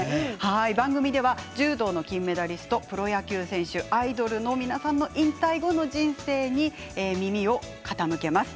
番組では柔道の金メダリストやプロ野球選手アイドルの皆さんの引退後の人生に耳を傾けます。